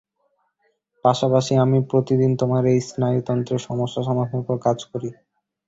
পাশাপাশি আমি প্রতিদিন তোমার এই স্নায়ুতন্ত্রের সমস্যা সমাধানের ওপর কাজ করি।